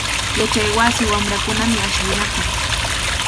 Yachaywasi wamrakunami ashllinakun.